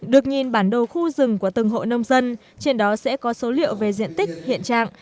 được nhìn bản đồ khu rừng của từng hộ nông dân trên đó sẽ có số liệu về diện tích hiện trạng